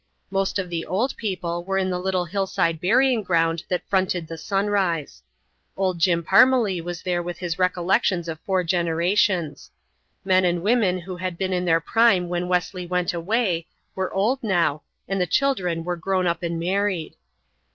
Most of the old people were in the little hillside burying ground that fronted the sunrise. Old Jim Parmelee was there with his recollections of four generations. Men and women who had been in their prime when Wesley went away were old now and the children were grown up and married.